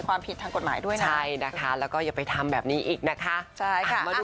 บางทีหัวใหญ่ตัวเล็กบางทีหน้าลอย